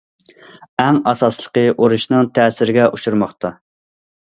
ئەڭ ئاساسلىقى ئۇرۇشنىڭ تەسىرىگە ئۇچرىماقتا.